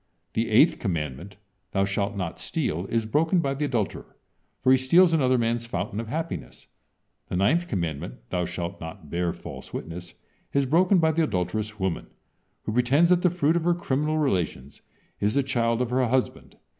The eighth commandment: "Thou shalt not steal," is broken by the adulterer, for he steals another man's fountain of happiness. The ninth commandment" "Thou shalt not bear false witness," is broken by the adulterous woman, who pretends that the fruit of her criminal relations is the child of her husband.